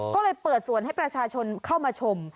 ก็เลยเปิดสวนให้ประชาชนเข้ามาชม